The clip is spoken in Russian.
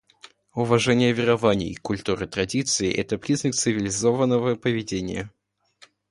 Уважение верований, культур и традиций — это признак цивилизованного поведения.